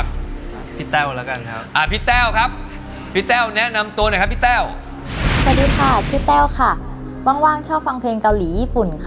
เก่าขาไหนออกจากบ้านเนี่ย